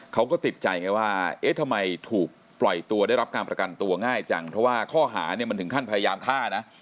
เขาก็ติดใจไงว่าเอ๊ะทำไมถูกปล่อยตัวได้รับการประกันตัวง่ายจังเพราะว่าข้อหาเนี่ยมันถึงขั้นพยายามฆ่านะ